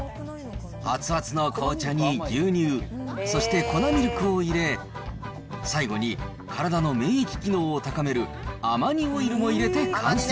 熱々の紅茶に牛乳、そして粉ミルクを入れ、最後に体の免疫機能を高めるアマニオイルも入れて完成。